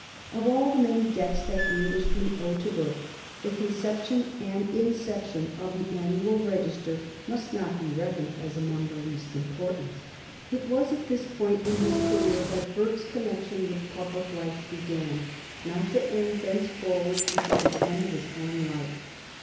Of all the many debts that Englishmen owe to Burke, the conception and inception of the "Annual Register" must not be reckoned as among the least important. It was at this point in his career that Burke's connection with public life began, not to end thenceforward until the end of his own life.